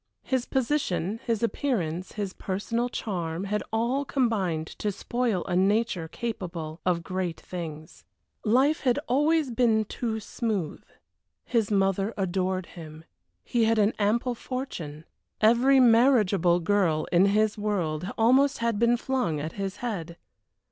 His position, his appearance, his personal charm, had all combined to spoil a nature capable of great things. Life had always been too smooth. His mother adored him. He had an ample fortune. Every marriageable girl in his world almost had been flung at his head.